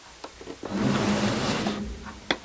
Таму, ніяк не прастой.